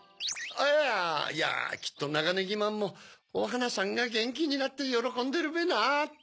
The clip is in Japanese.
あいやきっとナガネギマンもおはなさんがゲンキになってよろこんでるべなって。